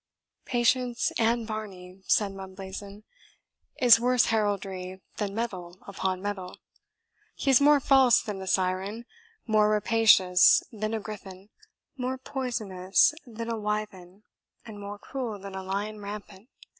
"Patience and Varney," said Mumblazen, "is worse heraldry than metal upon metal. He is more false than a siren, more rapacious than a griffin, more poisonous than a wyvern, and more cruel than a lion rampant."